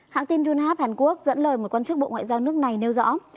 hãng tin junhap hàn quốc dẫn lời một quan chức bộ ngoại giao nước này nêu rõ